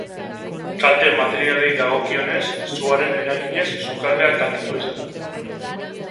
Kalte materialei dagokienez, suaren eraginez sukaldea kaltetua izan da.